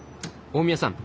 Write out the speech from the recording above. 大宮さん